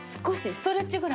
ストレッチぐらい。